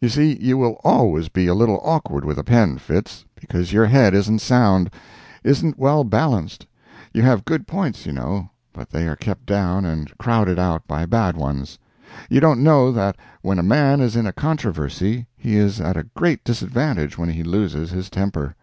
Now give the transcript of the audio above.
You see you will always be a little awkward with a pen, Fitz, because your head isn't sound—isn't well balanced; you have good points, you know, but they are kept down and crowded out by bad ones. You don't know that when a man is in a controversy he is at a great disadvantage when he loses his temper.